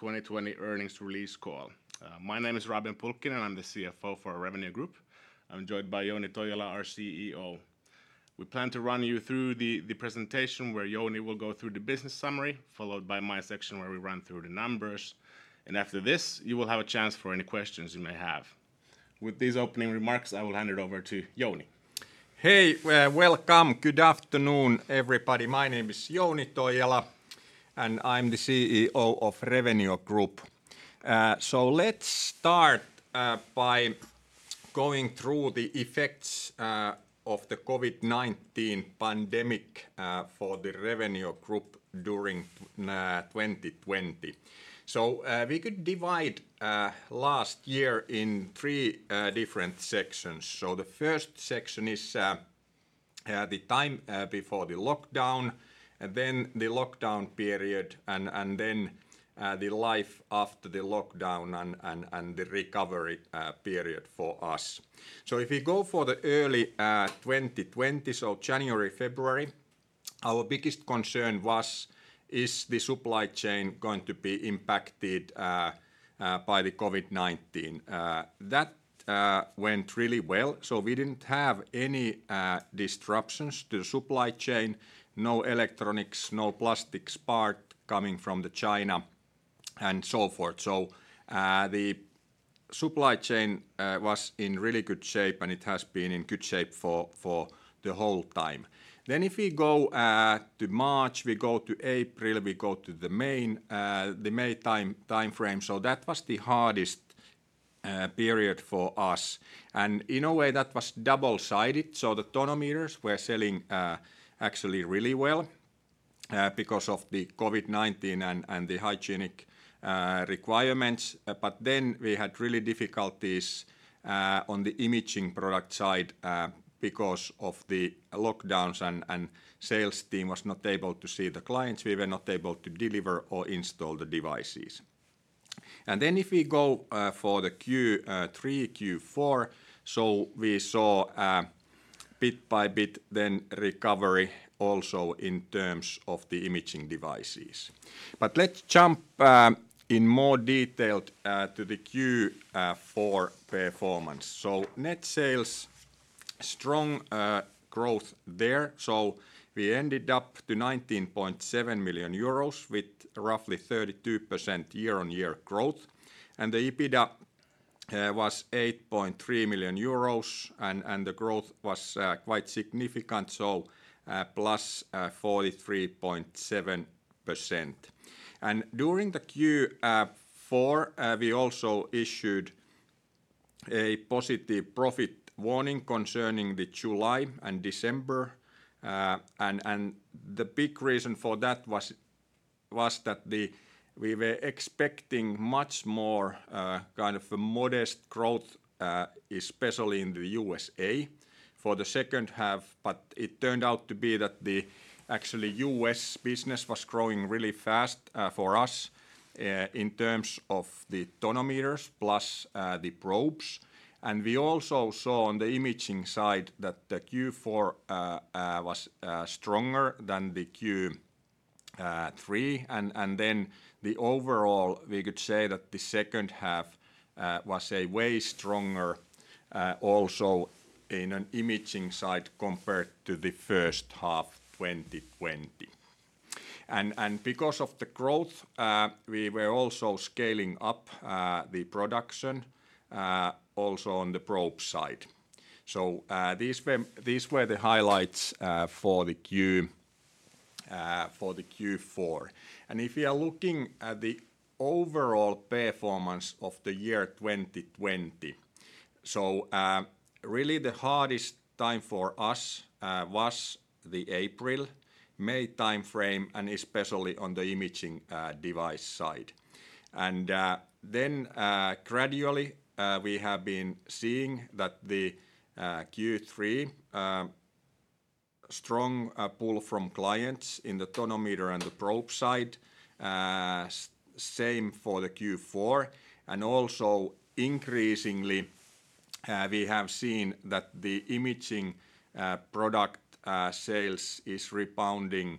2020 earnings release call. My name is Robin Pulkkinen. I'm the CFO for Revenio Group. I'm joined by Jouni Toijala, our CEO. We plan to run you through the presentation, where Jouni will go through the business summary, followed by my section, where we run through the numbers. After this, you will have a chance for any questions you may have. With these opening remarks, I will hand it over to Jouni. Hey. Welcome. Good afternoon, everybody. My name is Jouni Toijala, and I'm the CEO of Revenio Group. Let's start by going through the effects of the COVID-19 pandemic for the Revenio Group during 2020. We could divide last year in three different sections. The first section is the time before the lockdown, then the lockdown period, and then the life after the lockdown and the recovery period for us. So if we go for the early 2020, January, February, our biggest concern was, is the supply chain going to be impacted by the COVID-19? That went really well, we didn't have any disruptions to the supply chain, no electronics, no plastics part coming from China and so forth. The supply chain was in really good shape, and it has been in good shape for the whole time. If we go to March, we go to April, we go to the May timeframe, that was the hardest period for us. In a way, that was double-sided. The tonometers were selling actually really well because of the COVID-19 and the hygienic requirements. We had really difficulties on the imaging product side because of the lockdowns, and sales team was not able to see the clients. We were not able to deliver or install the devices. And if we go for the Q3, Q4, we saw bit by bit then recovery also in terms of the imaging devices. Let's jump in more detail to the Q4 performance. Net sales, strong growth there. We ended up to 19.7 million euros with roughly 32% year-on-year growth. The EBITDA was 8.3 million euros, and the growth was quite significant, +43.7%. During the Q4, we also issued a positive profit warning concerning the July and December. The big reason for that was that we were expecting much more kind of a modest growth, especially in the USA for the second half, but it turned out to be that the actually US business was growing really fast for us in terms of the tonometers plus the probes. We also saw on the imaging side that the Q4 was stronger than the Q3. The overall, we could say that the second half was a way stronger also in an imaging side compared to the first half 2020. And because of the growth, we were also scaling up the production also on the probe side. These were the highlights for the Q4. And if you are looking at the overall performance of the year 2020, so really the hardest time for us was the April/May timeframe, especially on the imaging device side. Then gradually, we have been seeing that the Q3 strong pull from clients in the tonometer and the probe side, same for the Q4. And also increasingly, we have seen that the imaging product sales is rebounding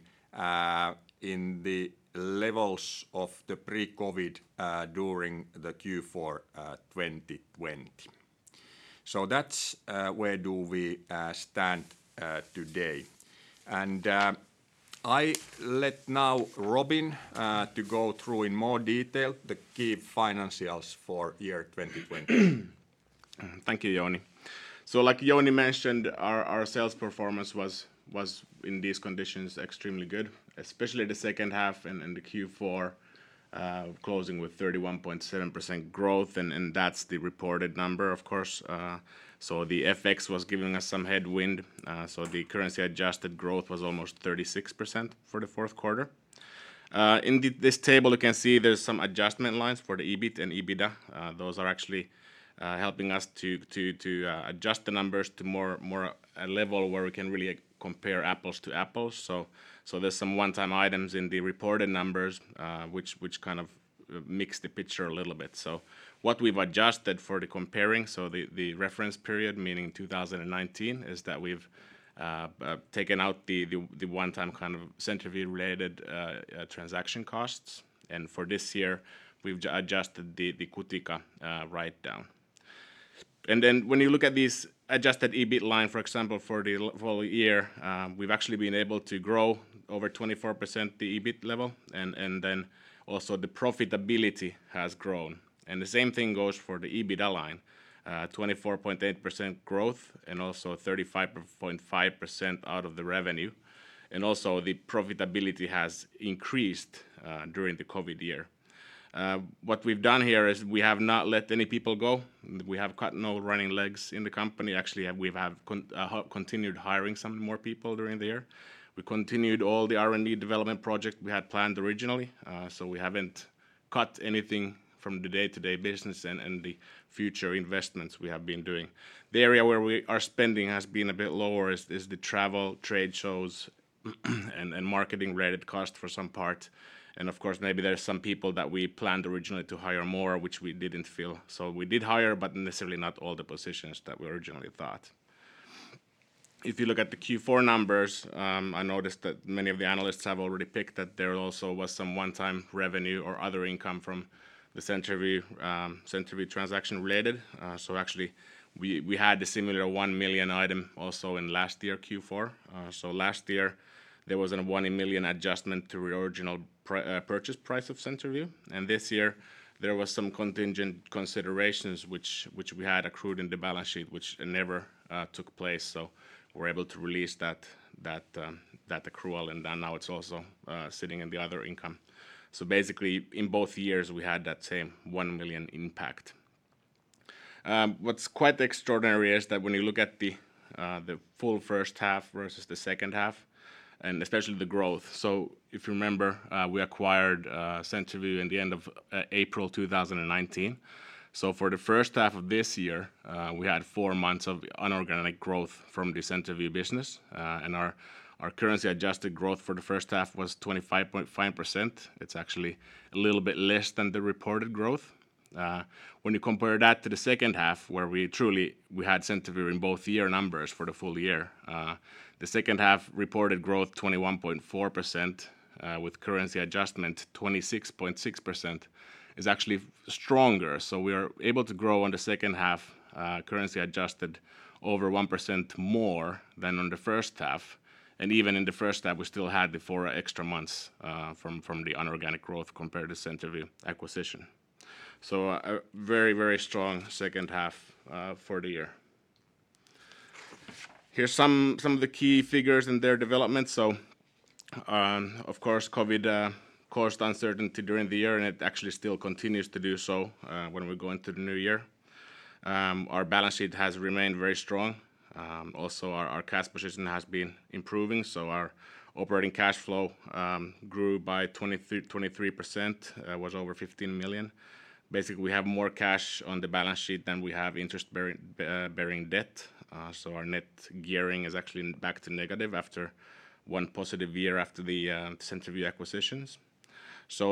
in the levels of the pre-COVID during the Q4 2020. That's where do we stand today. And I let now Robin to go through in more detail the key financials for year 2020. Thank you, Jouni. Like Jouni mentioned, our sales performance was, in these conditions, extremely good, especially the second half and the Q4 closing with 31.7% growth, and that's the reported number, of course. The FX was giving us some headwind, so the currency-adjusted growth was almost 36% for the fourth quarter. In this table, you can see there's some adjustment lines for the EBIT and EBITDA. Those are actually helping us to adjust the numbers to more a level where we can really compare apples to apples. There's some one-time items in the reported numbers, which kind of mix the picture a little bit. What we've adjusted for the comparing, so the reference period, meaning 2019, is that we've taken out the one-time kind of CenterVue-related transaction costs. And for this year, we've adjusted the Cutica write-down. When you look at this adjusted EBIT line, for example, for the full year, we've actually been able to grow over 24% the EBIT level, and then also the profitability has grown. The same thing goes for the EBITDA line, 24.8% growth and also 35.5% out of the revenue. And also, the profitability has increased during the COVID year. What we've done here is we have not let any people go. We have cut no running legs in the company. Actually, we have continued hiring some more people during the year. We continued all the R&D development project we had planned originally. We haven't cut anything from the day-to-day business and the future investments we have been doing. The area where our spending has been a bit lower is the travel, trade shows and marketing related cost for some part. Of course, maybe there's some people that we planned originally to hire more, which we didn't feel. We did hire, but necessarily not all the positions that we originally thought. If you look at the Q4 numbers, I noticed that many of the analysts have already picked that there also was some one-time revenue or other income from the CenterVue transaction related. Actually, we had a similar 1 million item also in last year Q4. Last year there was a 1 million adjustment to the original purchase price of CenterVue. This year there was some contingent considerations, which we had accrued in the balance sheet, which never took place. We're able to release that accrual, and now it's also sitting in the other income. Basically, in both years we had that same 1 million impact. What's quite extraordinary is that when you look at the full first half versus the second half, and especially the growth. If you remember, we acquired CenterVue in the end of April 2019. For the first half of this year, we had four months of inorganic growth from the CenterVue business. Our currency adjusted growth for the first half was 25.5%. It's actually a little bit less than the reported growth. When you compare that to the second half where we truly had CenterVue in both year numbers for the full year. The second half reported growth 21.4%, with currency adjustment 26.6%, is actually stronger. We are able to grow on the second half currency adjusted over 1% more than on the first half. Even in the first half, we still had the four extra months from the inorganic growth compared to CenterVue acquisition. A very strong second half for the year. Here's some of the key figures and their development. Of course, COVID caused uncertainty during the year, and it actually still continues to do so when we go into the new year. Our balance sheet has remained very strong. Our cash position has been improving, our operating cash flow grew by 23%, was over 15 million. Basically, we have more cash on the balance sheet than we have interest-bearing debt. Our net gearing is actually back to negative after one positive year after the CenterVue acquisitions.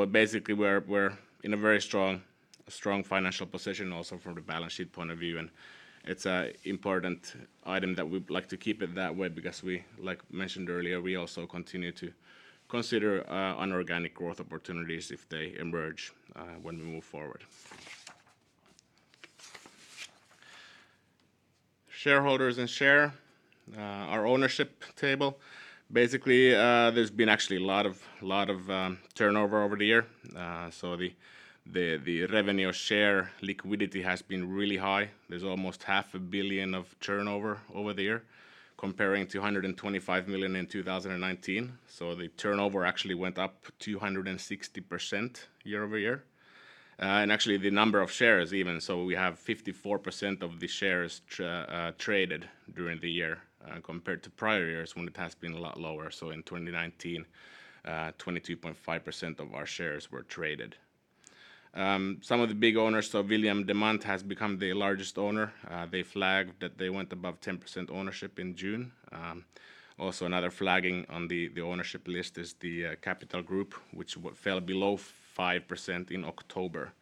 Basically, we're in a very strong financial position also from the balance sheet point of view. It's a important item that we would like to keep it that way because we, like mentioned earlier, we also continue to consider inorganic growth opportunities if they emerge when we move forward. Shareholders and share, our ownership table. Basically, there's been actually a lot of turnover over the year. The revenue share liquidity has been really high. There's almost half a billion of turnover over the year comparing to 125 million in 2019. The turnover actually went up 260% year-over-year. Actually the number of shares even, so we have 54% of the shares traded during the year, compared to prior years when it has been a lot lower. In 2019, 22.5% of our shares were traded. Some of the big owners, William Demant has become the largest owner. They flagged that they went above 10% ownership in June. Also another flagging on the ownership list is the Capital Group, which fell below 5% in October.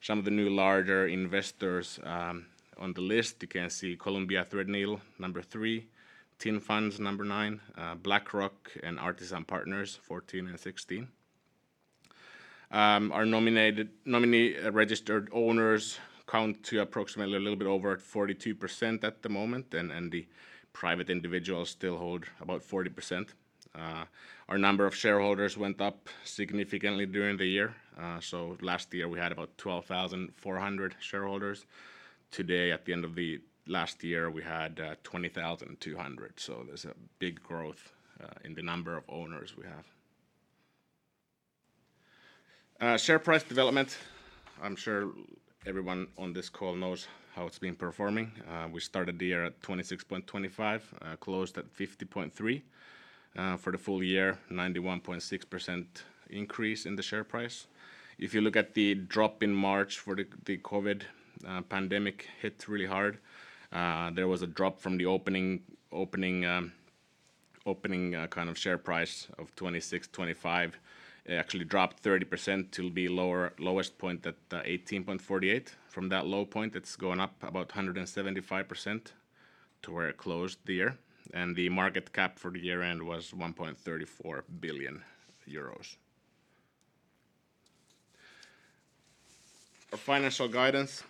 Some of the new larger investors on the list, you can see Columbia Threadneedle number three, TIN Funds number nine, BlackRock and Artisan Partners 14 and 16. Our registered owners count to approximately a little bit over 42% at the moment, and the private individuals still hold about 40%. Our number of shareholders went up significantly during the year. Last year we had about 12,400 shareholders. Today at the end of the last year, we had 20,200. There's a big growth in the number of owners we have. Share price development. I'm sure everyone on this call knows how it's been performing. We started the year at 26.25, closed at 50.30. For the full year, 91.6% increase in the share price. If you look at the drop in March for the COVID pandemic hit really hard. There was a drop from the opening kind of share price of 26.25. It actually dropped 30% to be lowest point at 18.48. From that low point, it's gone up about 175% to where it closed the year. The market cap for the year-end was 1.34 billion euros. Our financial guidance.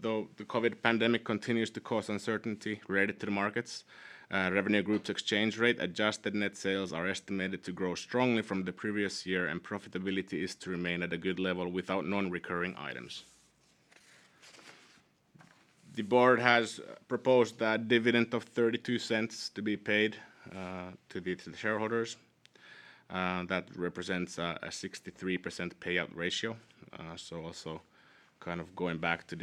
Though the COVID pandemic continues to cause uncertainty related to the markets, Revenio Group's exchange rate adjusted net sales are estimated to grow strongly from the previous year, and profitability is to remain at a good level without non-recurring items. The board has proposed a dividend of 0.32 to be paid to the shareholders. That represents a 63% payout ratio. Also kind of going back to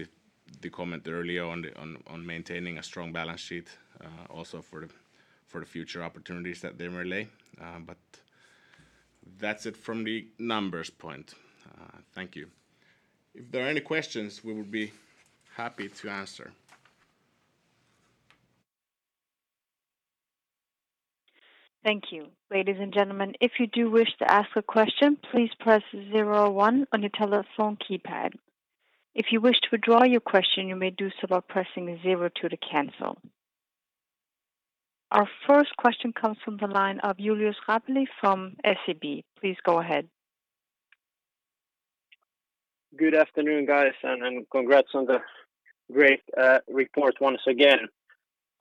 the comment earlier on maintaining a strong balance sheet also for the future opportunities that they may lay. That's it from the numbers point. Thank you. If there are any questions, we would be happy to answer. Thank you. Ladies and gentlemen, if you do wish to ask a question, please press zero one on your telephone keypad. If you wish to withdraw your question, you may do so by pressing zero two to cancel. Our first question comes from the line of Julius Rapeli from SEB. Please go ahead. Good afternoon, guys, and congrats on the great report once again.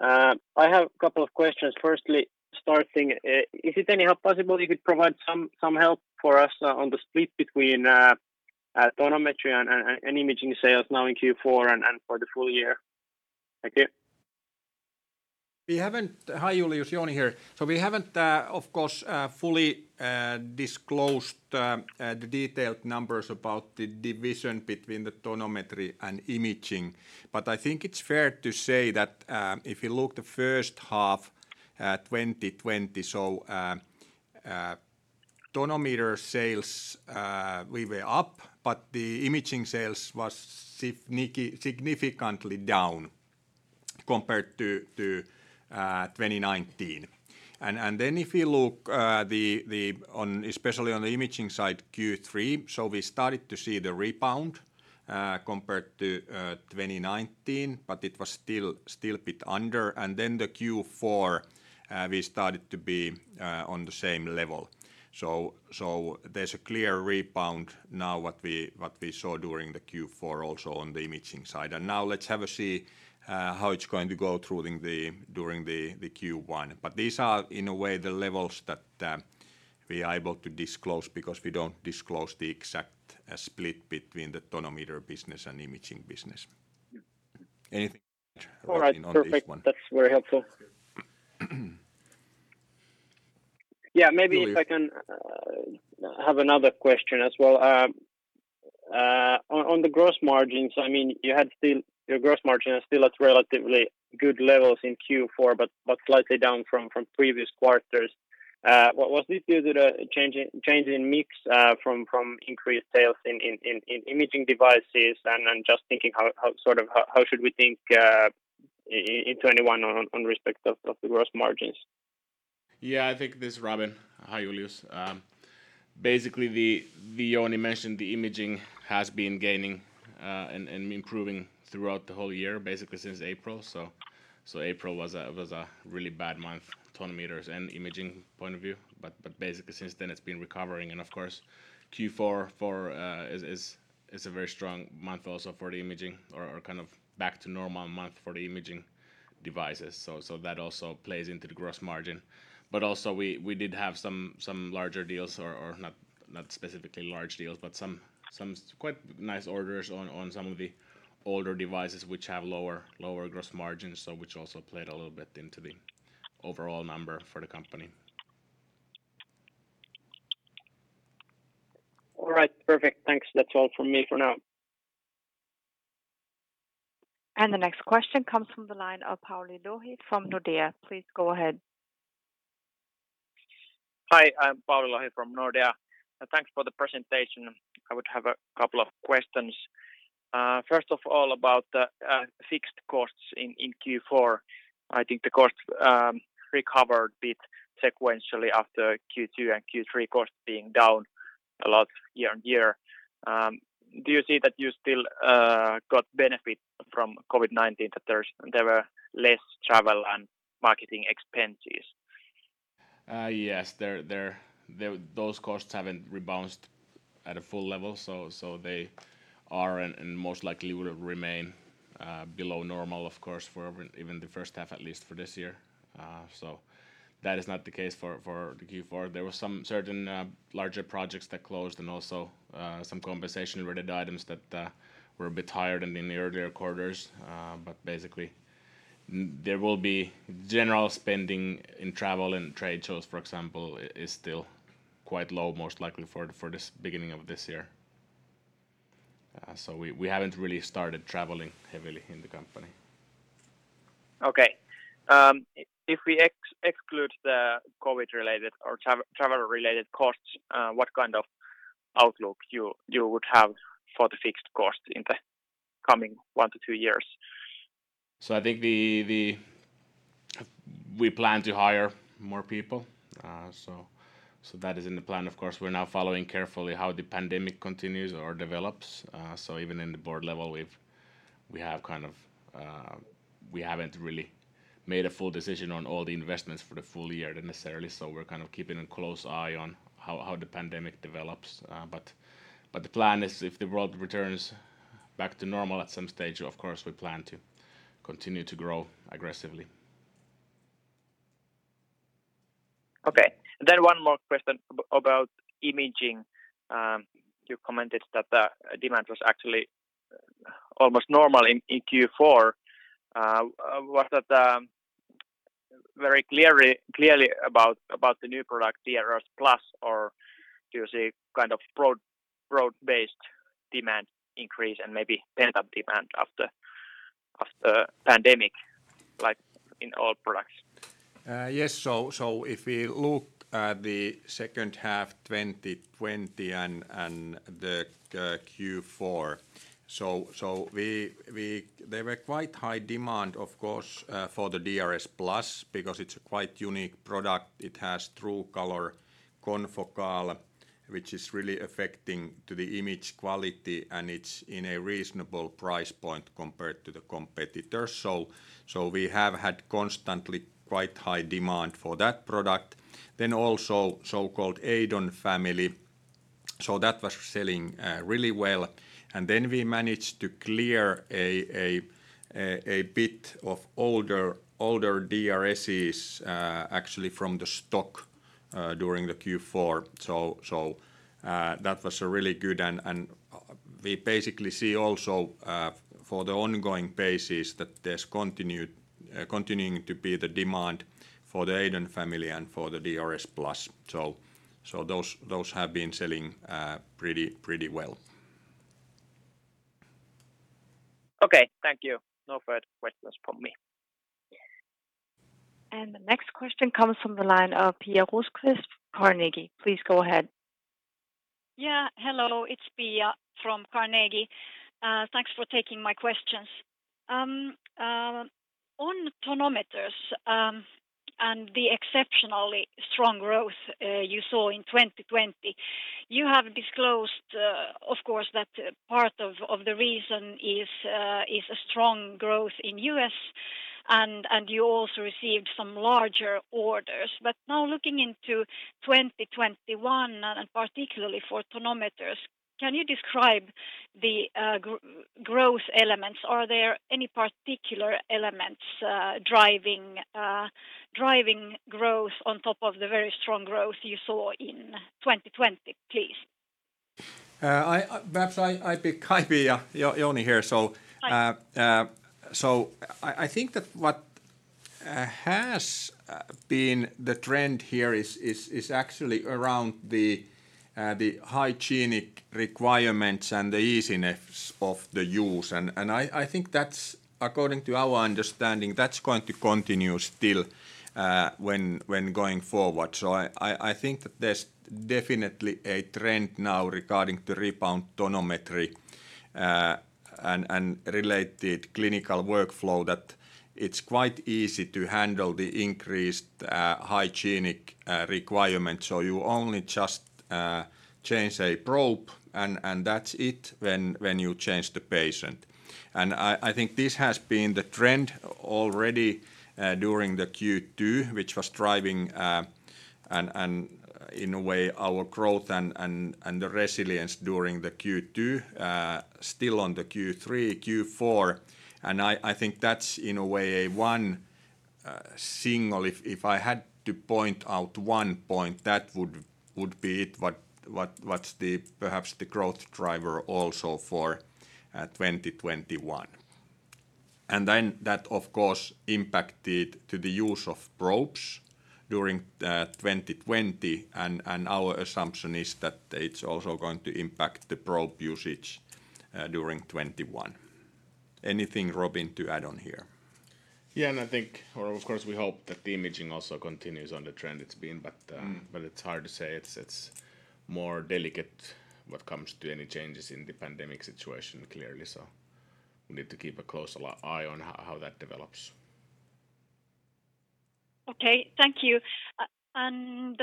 I have a couple of questions. Firstly, starting, is it anyhow possible you could provide some help for us on the split between tonometry and imaging sales now in Q4 and for the full year? Thank you. Hi, Julius. Jouni here. We haven't, of course, fully disclosed the detailed numbers about the division between the tonometry and imaging. But I think it's fair to say that if you look the first half 2020, so tonometer sales, we were up, but the imaging sales was significantly down compared to 2019. And If you look especially on the imaging side, Q3, so we started to see the rebound compared to 2019, but it was still a bit under. And then the Q4, we started to be on the same level. There's a clear rebound now what we saw during the Q4 also on the imaging side. Now let's have a see how it's going to go during the Q1. These are in a way the levels that we are able to disclose because we don't disclose the exact split between the tonometer business and imaging business. Anything, on this one? All right. Perfect. That's very helpful. Yeah, maybe if I can have another question as well. On the gross margins, your gross margin is still at relatively good levels in Q4, but slightly down from previous quarters. Was this due to the change in mix from increased sales in imaging devices? Just thinking how should we think in 2021 on respect of the gross margins? Yeah, I think this is Robin. Hi, Julius. Basically, Jouni mentioned the imaging has been gaining and improving throughout the whole year, basically since April. April was a really bad month, tonometers and imaging point of view. Basically since then it's been recovering and of course Q4 is a very strong month also for the imaging or kind of back to normal month for the imaging devices. That also plays into the gross margin. But also we did have some larger deals, or not specifically large deals, but some quite nice orders on some of the older devices which have lower gross margins, so which also played a little bit into the overall number for the company. All right, perfect. Thanks. That's all from me for now. And the next question comes from the line of Pauli Lohi from Nordea. Please go ahead. Hi, I'm Pauli Lohi from Nordea. Thanks for the presentation. I would have a couple of questions. First of all, about the fixed costs in Q4. I think the costs recovered a bit sequentially after Q2 and Q3 costs being down a lot year-on-year. Do you see that you still got benefit from COVID-19, that there were less travel and marketing expenses? Yes. Those costs haven't rebounded at a full level, so they are and most likely would remain below normal, of course, for even the first half, at least for this year. So that's is not the case for the Q4. There were some certain larger projects that closed and also some compensation related items that were a bit higher than in the earlier quarters. But basically there will be general spending in travel and trade shows, for example, is still quite low, most likely for this beginning of this year. So we haven't really started traveling heavily in the company. Okay. If we exclude the COVID related or travel related costs, what kind of outlook you would have for the fixed cost in the coming 1-2 years? I think we plan to hire more people. That is in the plan. Of course, we are now following carefully how the pandemic continues or develops. Even in the board level, We haven't really made a full decision on all the investments for the full year necessarily, so we're keeping a close eye on how the pandemic develops. But the plan is if the world returns back to normal at some stage, of course, we plan to continue to grow aggressively. Okay. One more question about imaging. You commented that the demand was actually almost normal in Q4. Was that very clearly about the new product DRS+ or do you see broad-based demand increase and maybe pent-up demand after pandemic in all products? Yes. If we look at the second half 2020 and the Q4, there were quite high demand, of course, for the DRS+ because it's a quite unique product. It has TrueColor confocal, which is really affecting to the image quality. It's in a reasonable price point compared to the competitors. We have had constantly quite high demand for that product. Also so-called EIDON family, that was selling really well. We managed to clear a bit of older DRSs actually from the stock during the Q4. That was really good. We basically see also for the ongoing basis that there's continuing to be the demand for the EIDON family and for the DRS+. Those have been selling pretty well. Okay. Thank you. No further questions from me. The next question comes from the line of Pia Rosqvist, Carnegie. Please go ahead. Yeah. Hello. It's Pia from Carnegie. Thanks for taking my questions. On tonometers and the exceptionally strong growth you saw in 2020, you have disclosed, of course, that part of the reason is a strong growth in U.S. and you also received some larger orders. Now looking into 2021, and particularly for tonometers, can you describe the growth elements? Are there any particular elements driving growth on top of the very strong growth you saw in 2020, please? Hi, Pia. Jouni here. Hi. So I think that what has been the trend here is actually around the hygienic requirements and the easiness of the use. I think that's according to our understanding, that's going to continue still when going forward. I think that there's definitely a trend now regarding the rebound tonometry, and related clinical workflow that it's quite easy to handle the increased hygienic requirement. You only just change a probe, and that's it when you change the patient. And I think this has been the trend already during the Q2, which was driving, in a way, our growth and the resilience during the Q2 still on the Q3, Q4. I think that's in a way a one single, if I had to point out one point, that would be it, what's perhaps the growth driver also for 2021. And then that, of course, impacted to the use of probes during 2020, and our assumption is that it's also going to impact the probe usage during 2021. Anything, Robin, to add on here? Yeah. And I think of course, we hope that the imaging also continues on the trend it's been. It's hard to say. It's more delicate when it comes to any changes in the pandemic situation, clearly. We need to keep a close eye on how that develops. Okay. Thank you. And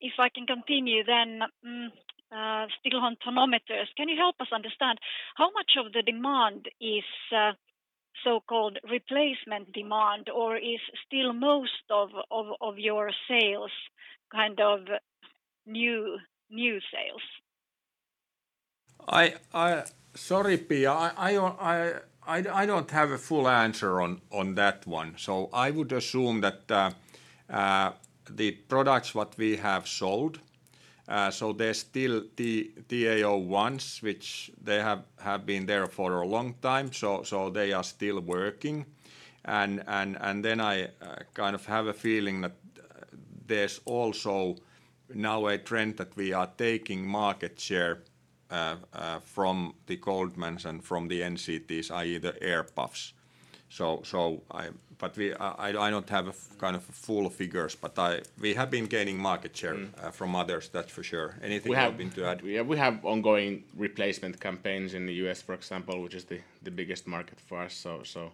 if I can continue, still on tonometers, can you help us understand how much of the demand is so-called replacement demand, or is still most of your sales new sales? Sorry, Pia. I don't have a full answer on that one. So I would assume that the products what we have sold, they're still TA01is, which they have been there for a long time, so they are still working. I have a feeling that there's also now a trend that we are taking market share from the Goldmanns and from the NCTs, i.e. the air puffs. I don't have full figures, but we have been gaining market share from others, that's for sure. Anything to add? Yeah we have ongoing replacement campaigns in the U.S., for example, which is the biggest market for us. So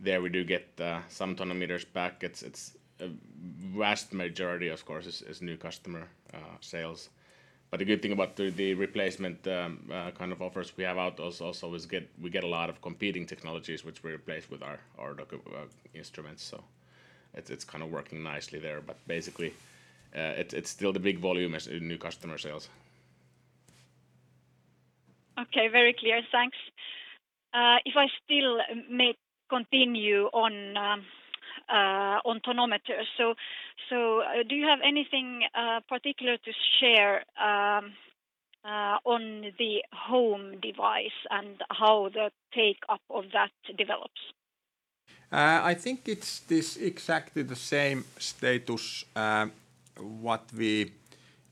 there we do get some tonometers back. Vast majority, of course, is new customer sales. The good thing about the replacement kind of offers we have out also is we get a lot of competing technologies which we replace with our instruments. So it's kind of working nicely there, but basically, it's still the big volume is in new customer sales. Okay. Very clear. Thanks. If I still may continue on tonometers. So do you have anything particular to share on the home device and how the take-up of that develops? I think it's exactly the same status what we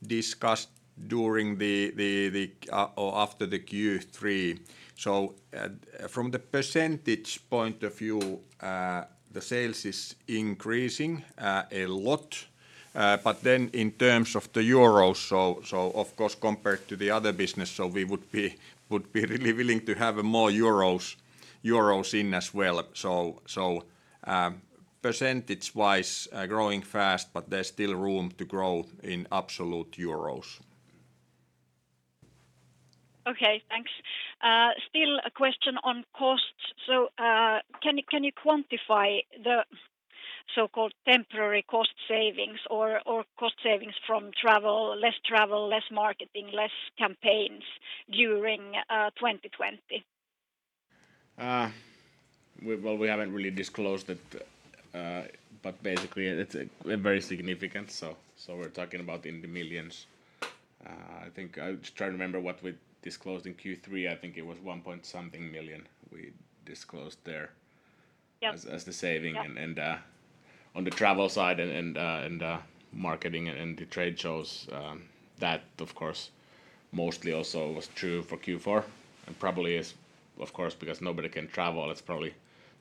discussed after the Q3. From the percentage point of view, the sales is increasing a lot. In terms of the euros, of course, compared to the other business, we would be really willing to have more euros in as well. Percentage-wise, growing fast, but there's still room to grow in absolute euros. Okay, thanks. Still a question on costs. So can you quantify the so-called temporary cost savings or cost savings from less travel, less marketing, less campaigns during 2020? Well, we haven't really disclosed it, but basically, it's very significant. We're talking about in the millions. I'm just trying to remember what we disclosed in Q3. I think it was 1 point something million we disclosed there. Yeah. As the saving. On the travel side and the marketing and the trade shows, that of course, mostly also was true for Q4 and probably is, of course, because nobody can travel, it's probably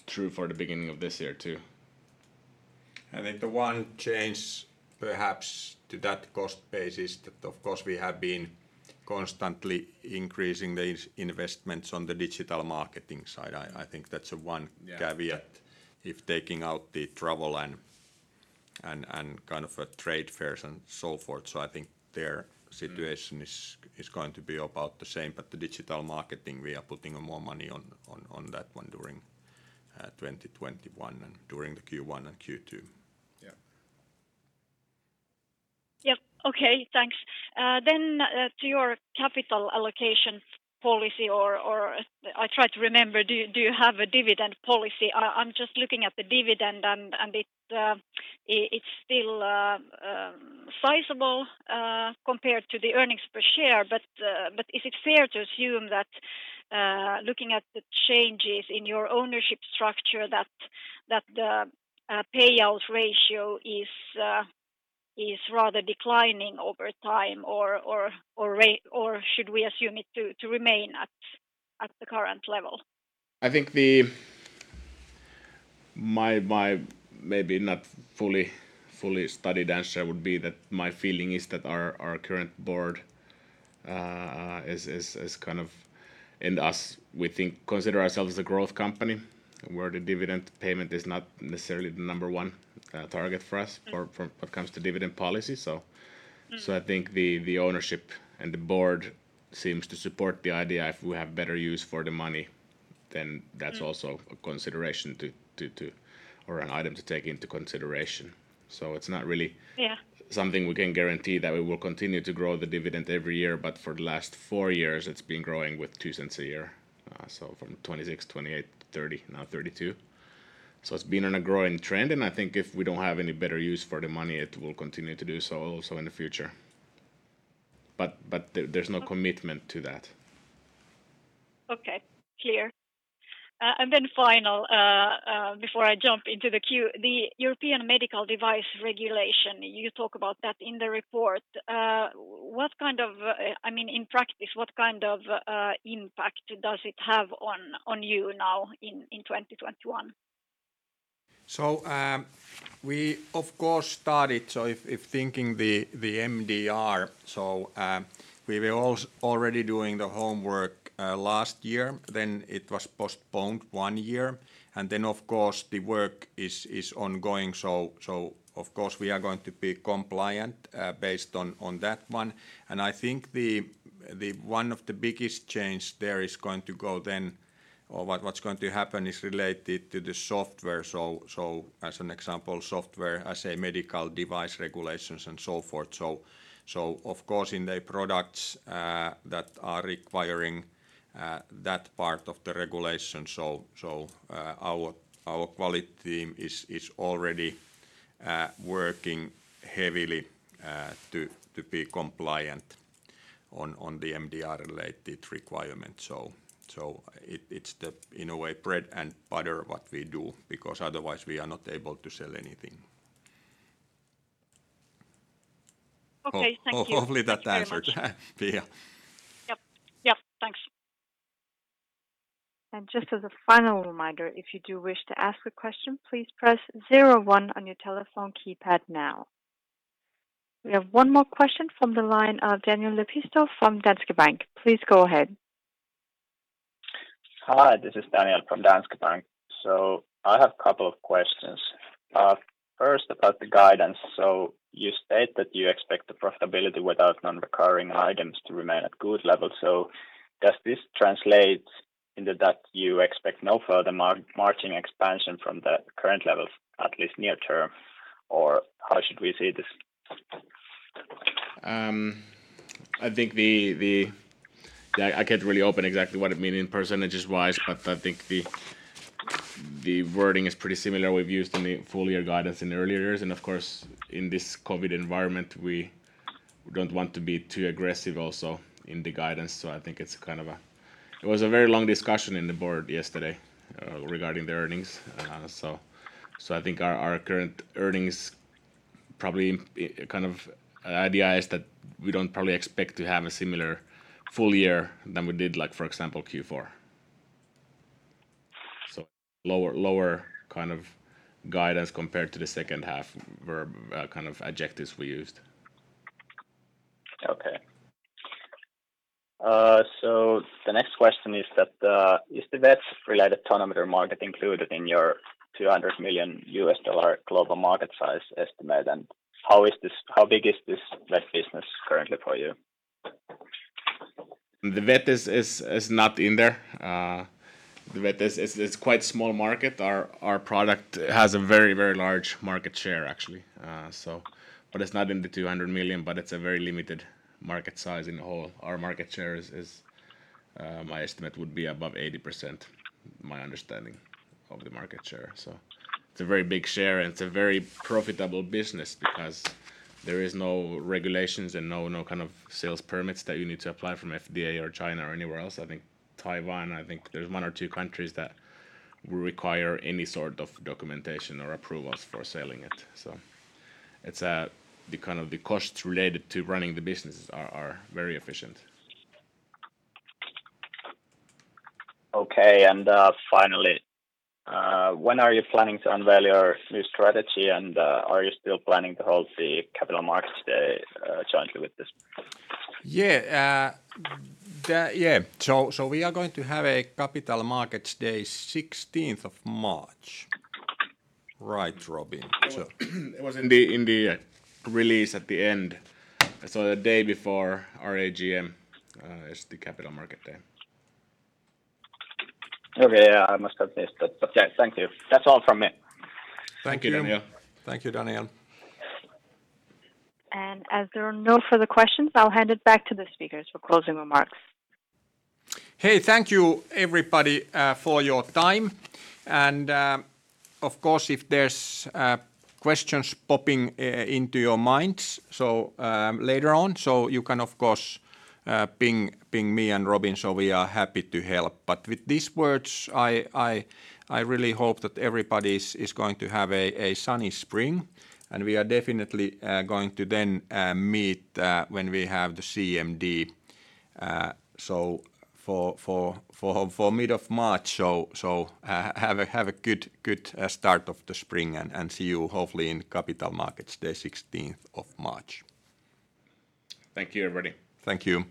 true for the beginning of this year, too. The one change perhaps to that cost base is that, of course, we have been constantly increasing the investments on the digital marketing side. I think that's one caveat if taking out the travel and trade fairs and so forth. I think their situation is going to be about the same, but the digital marketing, we are putting more money on that one during 2021 and during the Q1 and Q2. Yeah. Yep. Okay, thanks. To your capital allocation policy, or I try to remember, do you have a dividend policy? I'm just looking at the dividend, and it's still sizable compared to the earnings per share. Is it fair to assume that looking at the changes in your ownership structure, that the payout ratio is rather declining over time? Should we assume it to remain at the current level? I think my maybe not fully studied answer would be that my feeling is that our current board is kind of and us. We consider ourselves as a growth company where the dividend payment is not necessarily the number one target for us or for what comes to dividend policy. I think the ownership and the board seems to support the idea if we have better use for the money, that's also an item to take into consideration. So it's not really. Yeah Something we can guarantee that we will continue to grow the dividend every year, but for the last four years, it's been growing with 0.02 a year. From 0.26, 0.28, 0.30, now 0.32. It's been on a growing trend, and I think if we don't have any better use for the money, it will continue to do so also in the future. There's no commitment to that. Okay. Clear. Final, before I jump into the queue, the European Medical Device Regulation, you talk about that in the report. In practice, what kind of impact does it have on you now in 2021? We, of course, started, so if thinking the MDR, so we were already doing the homework last year, then it was postponed one year. Then, of course, the work is ongoing. Of course, we are going to be compliant based on that one. And I think one of the biggest change there is going to go then, or what's going to happen is related to the software. As an example, software as a medical device regulations and so forth. Of course, in the products that are requiring that part of the regulation, our quality team is already working heavily to be compliant on the MDR-related requirement. It's the, in a way, bread and butter what we do, because otherwise we are not able to sell anything. Okay. Thank you. Hopefully that answers. Thank you very much. Yep. Thanks. Just as a final reminder, if you do wish to ask a question, please press zero one on your telephone keypad now. We have one more question from the line of Daniel Lepistö from Danske Bank. Please go ahead. Hi, this is Daniel from Danske Bank. So I have couple of questions. First, about the guidance. You state that you expect the profitability without non-recurring items to remain at good levels. So does this translate into that you expect no further margin expansion from the current levels, at least near term, or how should we see this? I can't really open exactly what it mean percentages wise, but I think the wording is pretty similar we've used in the full year guidance in earlier years. Of course, in this COVID-19 environment, we don't want to be too aggressive also in the guidance. I think it was a very long discussion in the board yesterday regarding the earnings. So I think our current earnings, probably, idea is that we don't probably expect to have a similar full year than we did, like, for example, Q4. Lower kind of guidance compared to the second half were kind of adjectives we used. The next question is that, is the VET-related tonometer market included in your $200 million global market size estimate, and how big is this VET business currently for you? The VET is not in there. The VET is quite small market. Our product has a very large market share, actually. It's not in the $200 million, but it's a very limited market size in the whole. Our market share is, my estimate would be above 80%, my understanding of the market share. So it's a very big share, and it's a very profitable business because there is no regulations and no kind of sales permits that you need to apply from FDA or China or anywhere else. I think Taiwan, I think there's one or two countries that require any sort of documentation or approvals for selling it. The kind of the costs related to running the businesses are very efficient. Okay, finally, when are you planning to unveil your new strategy, and are you still planning to hold the Capital Markets Day jointly with this? Yeah. We are going to have a Capital Markets Day 16th of March. Right, Robin. It was in the release at the end. The day before our AGM is the Capital Markets Day. Okay. Yeah, I must have missed it, but yeah. Thank you. That's all from me. Thank you, Daniel. Thank you, Daniel. As there are no further questions, I'll hand it back to the speakers for closing remarks. Hey, thank you everybody for your time. Of course, if there's questions popping into your minds later on, so you can, of course, ping me and Robin, so we are happy to help. But with these words, I really hope that everybody's going to have a sunny spring, and we are definitely going to then meet when we have the CMD. For mid of March, so have a good start of the spring and see you hopefully in Capital Markets Day 16th of March. Thank you everybody. Thank you.